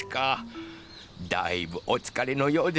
だいぶおつかれのようですね。